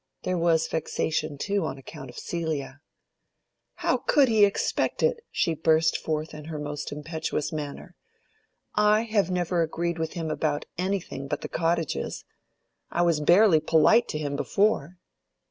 There was vexation too on account of Celia. "How could he expect it?" she burst forth in her most impetuous manner. "I have never agreed with him about anything but the cottages: I was barely polite to him before."